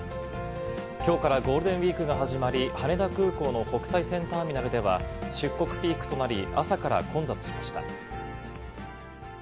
きょうからゴールデンウィークが始まり、羽田空港の国際線ターミナルでは出国ピークとなり、朝から混雑しました。